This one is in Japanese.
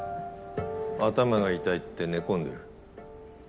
頭が痛いって寝込んでる。